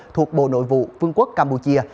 thuộc bộ nội vụ quân quốc campuchia